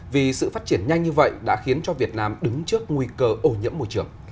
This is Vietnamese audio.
vì sự phát triển nhanh như vậy đã khiến cho việt nam đứng trước nguy cơ ổ nhiễm môi trường